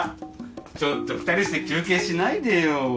ちょっと２人して休憩しないでよ。